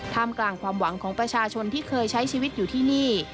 มกลางความหวังของประชาชนที่เคยใช้ชีวิตอยู่ที่นี่